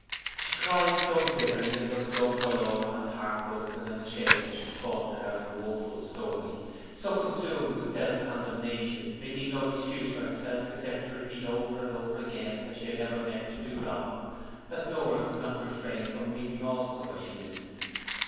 She cried so bitterly and looked so forlorn and heartbroken and ashamed as she faltered out her woeful story; so consumed with self condemnation, making no excuse for herself except to repeat over and over again that she had never meant to do wrong, that Nora could not refrain from weeping also as she listened.